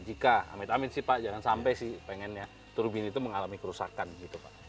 jika amit amit sih pak jangan sampai sih pengennya turbin itu mengalami kerusakan gitu pak